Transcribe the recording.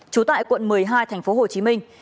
trú tại quận một mươi hai thành phố hồ chí minh